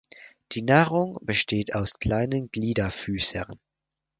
Die Nahrung besteht aus kleinen Gliederfüßern.